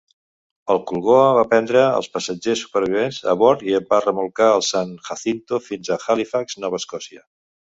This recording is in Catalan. El Culgoa va prendre els passatgers supervivents a bord i va remolcar el San Jacinto fins a Halifax, Nova Escòcia.